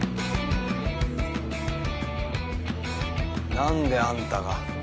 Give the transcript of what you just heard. なんであんたが。